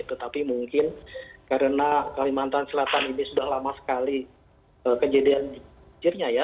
tetapi mungkin karena kalimantan selatan ini sudah lama sekali kejadian cirenya ya